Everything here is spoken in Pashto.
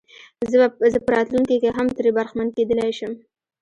زه په راتلونکي کې هم ترې برخمن کېدلای شم.